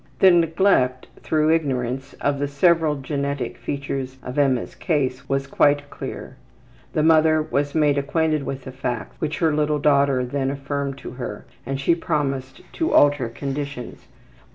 The neglect, through ignorance, of the several genetic features of Emma's case was quite clear. The mother was made acquainted with the facts, which her little daughter then affirmed to her, and she promised to alter conditions.